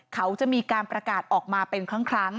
เขาจะมีการประกาศออกมาเป็นครั้ง